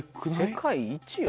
世界一よ？